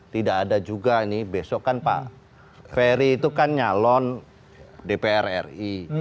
tidak ada juga ini besok kan pak ferry itu kan nyalon dpr ri